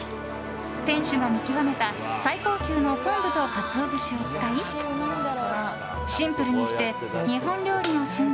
店主が見極めた最高級の昆布とカツオ節を使いシンプルにして日本料理の神髄